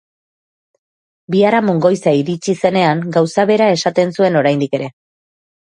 Biharamun goiza iritsi zenean, gauza bera esaten zuen oraindik ere.